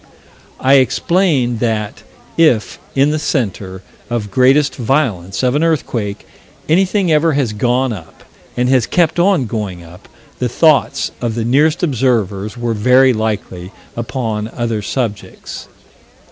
I explain that, if in the center of greatest violence of an earthquake, anything ever has gone up, and has kept on going up, the thoughts of the nearest observers were very likely upon other subjects.